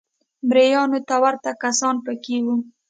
مریانو ته ورته کسان په کې وو